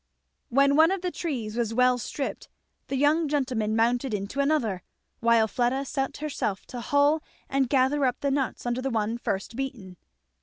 When one of the trees was well stripped the young gentleman mounted into another, while Fleda set herself to hull and gather up the nuts under the one first beaten.